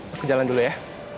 aku jalan dulu ya